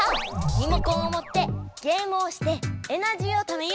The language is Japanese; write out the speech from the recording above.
リモコンをもってゲームをしてエナジーをためよう！